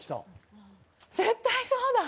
絶対そうだ！